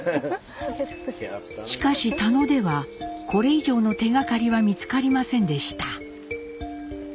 しかし田野ではこれ以上の手がかりは見つかりませんでした。